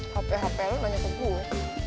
hape hape lu banyak juga gue